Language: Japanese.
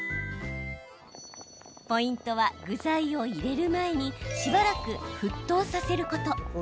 ポイントは、具材を入れる前にしばらく沸騰させること。